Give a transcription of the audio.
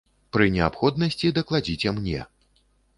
Пры неабходнасці дакладзіце мне.